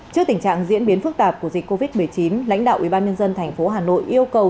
trước tình trạng diễn biến phức tạp của dịch covid một mươi chín lãnh đạo ubnd tp hà nội yêu cầu